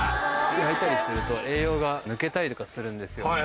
焼いたりすると栄養が抜けたりとかするんです。